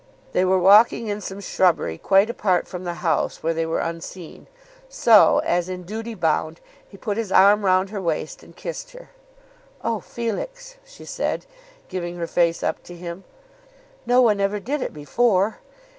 They were walking in some shrubbery quite apart from the house, where they were unseen; so, as in duty bound, he put his arm round her waist and kissed her. "Oh, Felix," she said, giving her face up to him; "no one ever did it before."